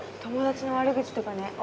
友達の悪口とかね。